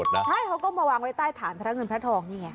ใช่เขาก็มาวางไว้ใต้ฐานพระเงินพระทองนี่ไง